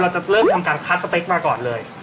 จะเริ่มทำการคัดสเปคมาก่อนเลย